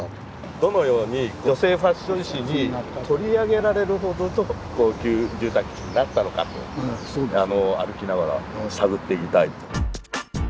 どのように女性ファッション誌に取り上げられるほどの高級住宅地になったのかと歩きながら探ってみたいと。